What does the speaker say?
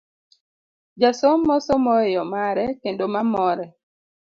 Jasomo somo e yo mare kendo ma more.